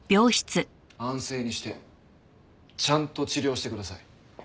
安静にしてちゃんと治療してください。